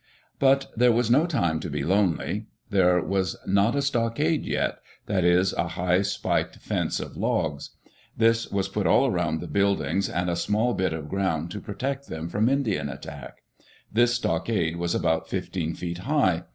But there was no time to be lonely. There was not a stockade yet — that is, a high, spiked fence of logs. This was put all around the buildings and a small bit of ground to protect them from Indian attack. This stockade was about fifteen feet high.